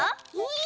いい？